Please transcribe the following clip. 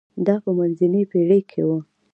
دا په منځنۍ پېړۍ کې و.